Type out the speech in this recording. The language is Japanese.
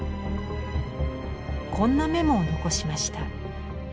こんなメモを残しました。